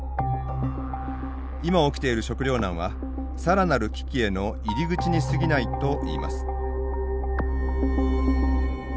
今起きている食料難はさらなる危機への入り口にすぎないといいます。